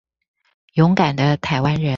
勇敢的臺灣人